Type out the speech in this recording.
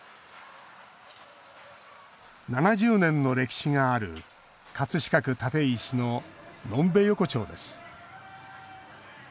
７０年の歴史がある葛飾区・立石の呑んべ横丁です